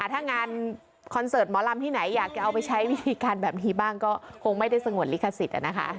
ถ้างานคอนเสิร์ตหมอลำที่ไหนอยากจะเอาไปใช้วิธีการแบบนี้บ้างก็คงไม่ได้สงวนลิขสิทธิ์